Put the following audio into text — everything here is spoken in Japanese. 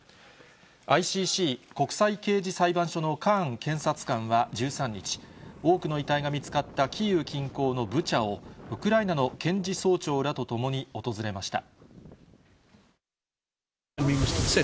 ＩＣＣ・国際刑事裁判所のカーン検察官は１３日、多くの遺体が見つかったキーウ近郊のブチャを、ウクライナの検事総長らと共に訪れました。